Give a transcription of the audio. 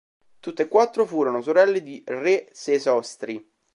Tutte e quattro furono sorelle di re Sesostri.